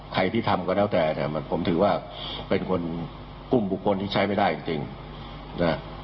ใครที่ทำก็แล้วแต่เนี่ยผมถือว่าเป็นคนอุ้มบุคคลที่ใช้ไม่ได้จริงนะ